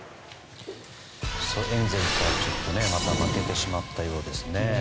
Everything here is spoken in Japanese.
エンゼルスはまた負けてしまったようですね。